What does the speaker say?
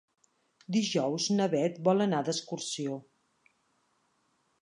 Dijous na Bet vol anar d'excursió.